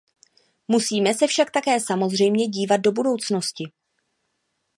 Musíme se však také samozřejmě dívat do budoucnosti.